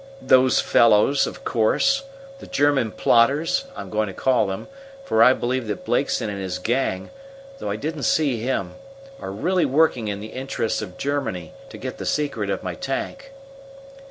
"Those fellows of course. The German plotters, I'm going to call them, for I believe that Blakeson and his gang though I didn't see him are really working in the interests of Germany to get the secret of my tank."